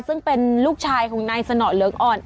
ซึ่งเป็นลูกชายของนายสนอเหลืองอ่อน